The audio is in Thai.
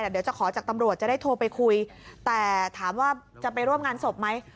เดี๋ยวจะขอจากตำรวจจะได้โทรไปคุยแต่ถามว่าจะไปร่วมงานศพไหม